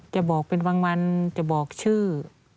จะบอกเป็นบางวันจะบอกชื่อ